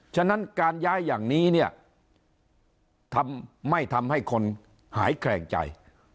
ฉะนั้นการย้ายอย่างนี้เนี่ยไม่ทำให้คนหายแคลงใจ